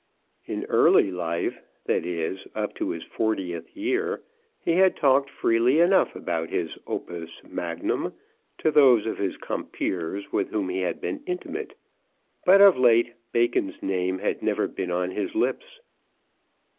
In early life, that is, up to his fortieth year, he had talked freely enough about his opus magnum to those of his compeers with whom he had been intimate; but of late Bacon's name had never been on his lips.